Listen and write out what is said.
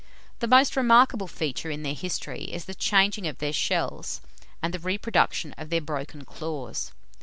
The most remarkable feature in their history, is the changing of their shells, and the reproduction of their broken claws.